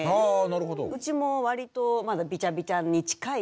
うちも割とまだビチャビチャに近い。